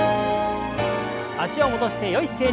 脚を戻してよい姿勢に。